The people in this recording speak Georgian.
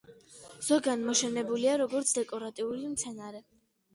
ზოგან მოშენებულია როგორც დეკორატიული მცენარე.